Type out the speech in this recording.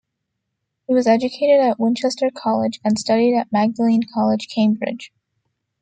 He was educated at Winchester College and studied at Magdalene College, Cambridge.